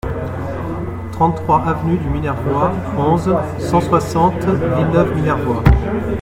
trente-trois avenue du Minervois, onze, cent soixante, Villeneuve-Minervois